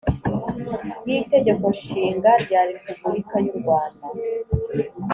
y Itegeko Nshinga rya Repubulika y urwanda